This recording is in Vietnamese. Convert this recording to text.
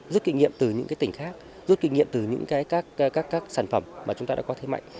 giúp kinh nghiệm từ những tỉnh khác giúp kinh nghiệm từ các sản phẩm mà chúng ta đã có thế mạnh